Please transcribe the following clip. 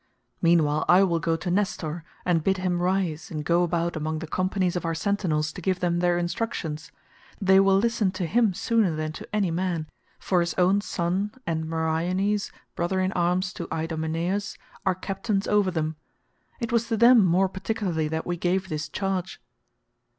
Meanwhile I will go to Nestor, and bid him rise and go about among the companies of our sentinels to give them their instructions; they will listen to him sooner than to any man, for his own son, and Meriones brother in arms to Idomeneus, are captains over them. It was to them more particularly that we gave this charge."